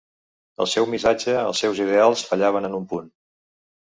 El seu missatge, els seus ideals, fallaven en un punt.